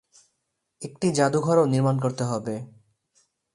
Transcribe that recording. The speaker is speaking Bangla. একটি জাদুঘরও নির্মাণ করতে হবে।